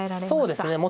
そうですね。